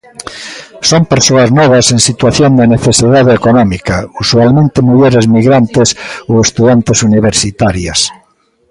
Son persoas novas en situación de necesidade económica, usualmente mulleres migrantes ou estudantes universitarias.